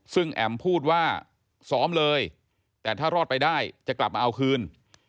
ซึ่งแอ๋มพูดว่าซ้อมเลยแต่ถ้ารอดไปได้จะกลับมาเอาคืน